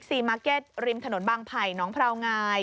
มาร์เก็ตริมถนนบางไผ่น้องพราวงาย